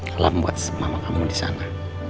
kalau membuat mama kamu disana